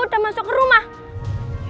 udah masuk ke rumah